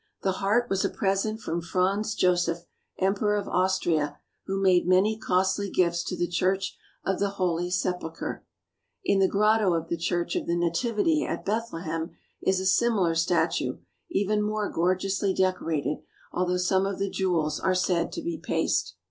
The heart was a present from Franz 50 "THE TRIBES OF GOD GO THITHER" Josef, Emperor of Austria, who made many costly gifts to the Church of the Holy Sepulchre. In the grotto of the Church of the Nativity at Bethlehem is a similar statue, even more gorgeously decorated, although some of the jewels are said to be paste.